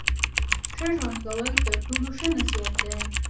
ښه ژوند کول تر ټولو ښه نصیحت دی.